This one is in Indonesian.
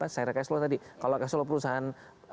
saya rekas lo tadi kalau rekas lo perusahaan